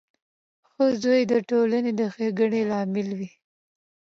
• ښه زوی د ټولنې د ښېګڼې لامل وي.